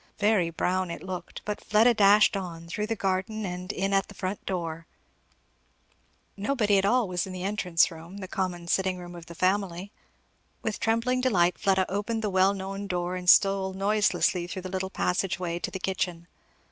Very brown it looked, but Fleda dashed on, through the garden and in at the front door. Nobody at all was in the entrance room, the common sitting room of the family. With trembling delight Fleda opened the well known door and stole noiselessly through the little passage way to the kitchen.